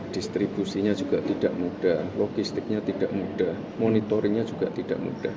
distribusinya juga tidak mudah logistiknya tidak mudah monitoringnya juga tidak mudah